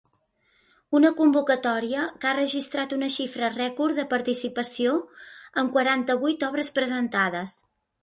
Una convocatòria que ha registrat una xifra rècord de participació, amb quaranta-vuit obres presentades.